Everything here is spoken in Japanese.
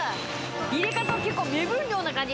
入れ方結構目分量な感じ。